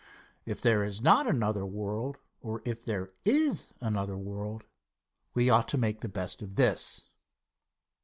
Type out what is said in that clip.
If there is not another world, or if there is another world, we ought to make the best of this.